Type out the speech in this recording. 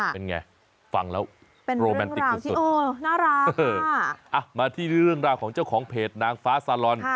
เป็นไงฟังแล้วเป็นโรแมนติกสุดน่ารักมาที่เรื่องราวของเจ้าของเพจนางฟ้าซาลอน